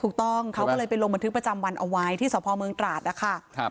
ถูกต้องเขาก็เลยไปลงบันทึกประจำวันเอาไว้ที่สพเมืองตราดนะคะ